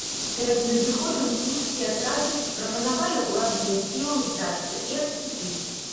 Перад надыходам курдскія атрады прапанавалі урадавым сілам здацца і адступіць.